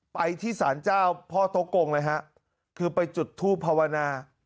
ไปที่สารเจ้าพ่อโต๊กกงเลยฮะคือไปจุดทูปภาวนา